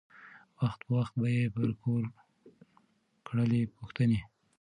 وخت په وخت به یې پر کور کړلی پوښتني